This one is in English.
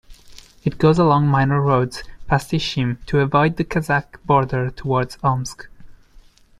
It goes along minor roads past Ishim to avoid the Kazakh border towards Omsk.